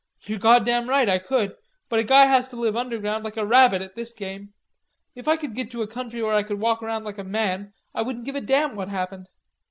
"You're goddam right, I could, but a guy has to live underground, like a rabbit, at this game. If I could git to a country where I could walk around like a man, I wouldn't give a damn what happened.